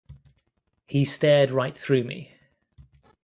He stared right through me.